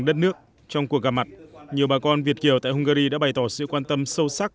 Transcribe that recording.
đất nước trong cuộc gặp mặt nhiều bà con việt kiều tại hungary đã bày tỏ sự quan tâm sâu sắc